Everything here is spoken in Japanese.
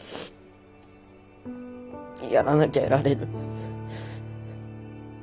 やらなきゃやられる。